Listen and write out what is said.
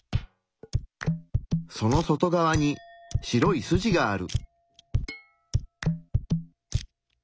その外側に白い筋がある。